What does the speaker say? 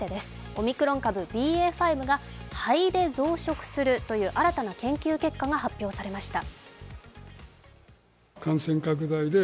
オミクロン株ＢＡ．５が肺で増殖するという新たな研究結果が発表されました。